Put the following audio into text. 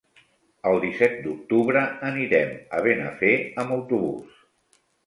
El disset d'octubre anirem a Benafer amb autobús.